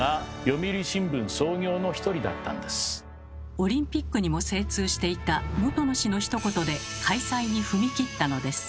オリンピックにも精通していた本野氏のひと言で開催に踏み切ったのです。